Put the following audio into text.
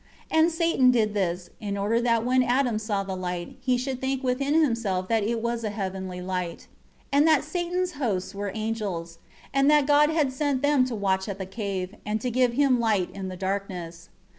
4 And Satan did this, in order that when Adam saw the light, he should think within himself that it was a heavenly light, and that Satan's hosts were angels; and that God had sent them to watch at the cave, and to give him light in the darkness.